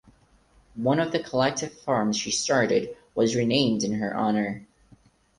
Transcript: One of the collective farms she started was renamed in her honor.